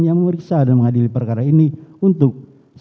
yang memeriksa dan mengadili perkara ini untuk